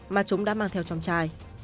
mà chúng đã mang theo trong chai